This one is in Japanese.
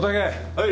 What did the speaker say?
はい。